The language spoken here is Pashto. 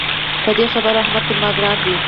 په دې خبره احمد پر ما ګران دی.